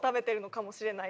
かもしれない